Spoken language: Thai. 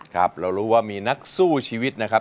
ครับเรารู้ว่ามีนักสู้ชีวิตนะครับ